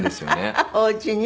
おうちに？